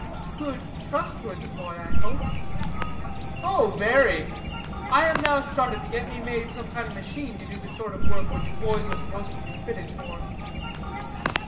"Good, trustworthy boy, I hope?" "Oh, very! I am now started to get me made some kind of machine to do the sort of work which boys are supposed to be fitted for."